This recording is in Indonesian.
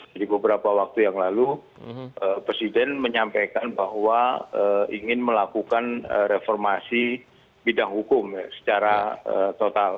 jadi beberapa waktu yang lalu presiden menyampaikan bahwa ingin melakukan reformasi bidang hukum secara total